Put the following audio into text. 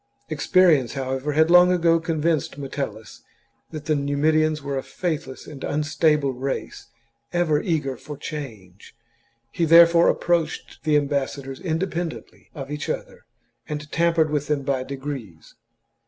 Experience, however, had long ago convinced Metel lus that the Numidians were a faithless and unstable race, ever eager for change. He therefore approached the ambassadors independently of each other, and tampered with them by degrees.